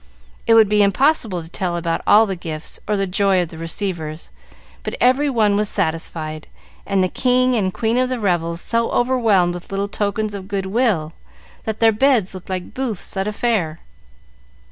It would be impossible to tell about all the gifts or the joy of the receivers, but every one was satisfied, and the king and queen of the revels so overwhelmed with little tokens of good will, that their beds looked like booths at a fair.